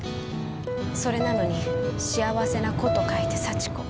それなのに幸せな子と書いて「幸子」。